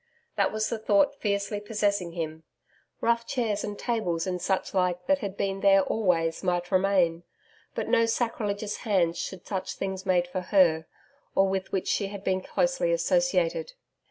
That was the thought fiercely possessing him. Rough chairs and tables and such like that had been there always, might remain. But no sacrilegious hands should touch things made for her, or with which she had been closely associated.